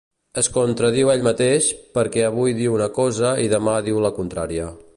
Es contradiu ell mateix, perquè avui diu una cosa i demà diu la contrària.